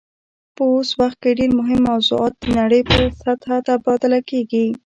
په اوس وخت کې ډیر مهم موضوعات د نړۍ په سطحه تبادله کیږي